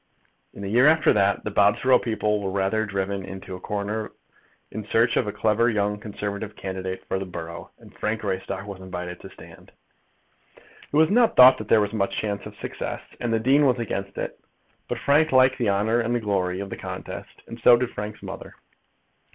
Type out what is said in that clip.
In the year after that the Bobsborough people were rather driven into a corner in search of a clever young Conservative candidate for the borough, and Frank Greystock was invited to stand. It was not thought that there was much chance of success, and the dean was against it. But Frank liked the honour and glory of the contest, and so did Frank's mother.